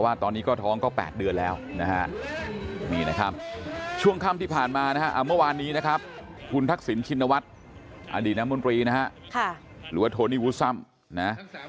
มันเพิ่งคืนให้เพราะวันซื้นนี่แหละตอนยุบสภา